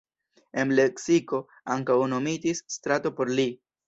En Lepsiko ankaŭ nomitis strato por li.